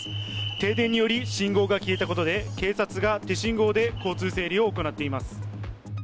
停電により信号が消えたことで警察が手信号で交通整理を行っています。